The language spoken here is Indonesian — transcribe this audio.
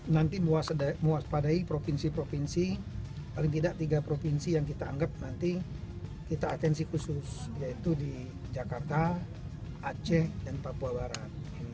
nanti mewaspadai provinsi provinsi paling tidak tiga provinsi yang kita anggap nanti kita atensi khusus yaitu di jakarta aceh dan papua barat